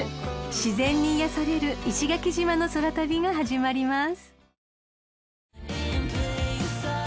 ［自然に癒やされる石垣島の空旅が始まります］